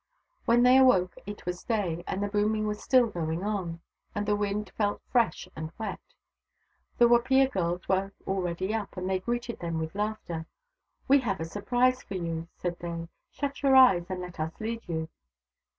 When they awoke it was day, and the booming was still going on, and the wind felt fresh and wet. The Wapiya girls were already up, and they greeted them with laughter. " We have a surprise for you," said they. " Shut your eyes, and let us lead you."